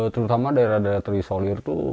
terutama daerah daerah terisolir itu